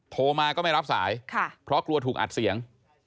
โทรมาก็ไม่รับสายเพราะกลัวถูกอัดเสียง